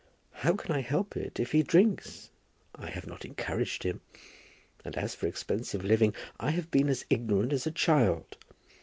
How can I help it, if he drinks? I have not encouraged him. And as for expensive living, I have been as ignorant as a child.